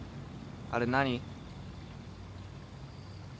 あれ何？